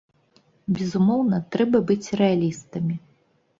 Безумоўна, трэба быць рэалістамі.